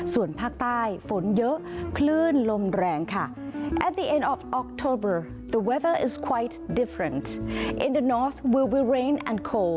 ส่วนภาคใต้ฝนเยอะคลื่นลมแรงค่ะ